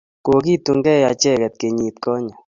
Kokitunkey acheket kenyit konye